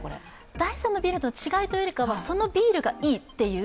第３のビールの違いというよりはそのビールがいいという。